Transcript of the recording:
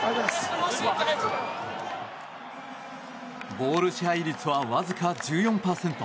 ボール支配率はわずか１４％。